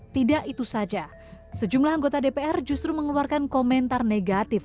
tidak itu saja sejumlah anggota dpr justru mengeluarkan komentar negatif